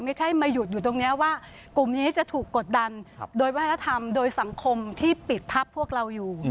ไม่ใช่มาหยุดอยู่ตรงนี้ว่ากลุ่มนี้จะถูกกดดันโดยวัฒนธรรมโดยสังคมที่ปิดทัพพวกเราอยู่